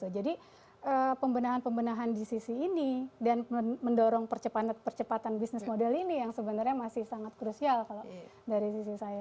jadi pembenahan pembenahan di sisi ini dan mendorong percepatan bisnis model ini yang sebenarnya masih sangat krusial dari sisi saya